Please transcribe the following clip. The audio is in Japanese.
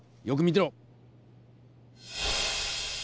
よく見てろ！